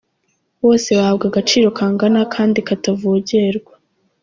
Bose bahabwa agaciro kangana kandi katavogerwa.